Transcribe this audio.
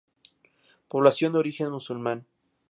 Población de origen musulmán.